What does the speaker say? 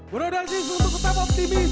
brodasis untuk tetap optimis